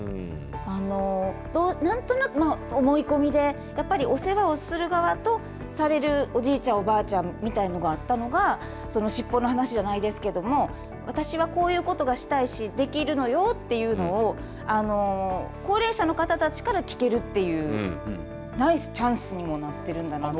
何となく思い込みでお世話をする側とされる、おじいちゃんおばあちゃんみたいなのだったのがしっぽの話じゃないですけども私はこういうことがしたいしできるのよというのを高齢者の方たちから聞けるっていうナイスチャンスにもなっているんだなっていう。